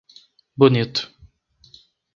Bonito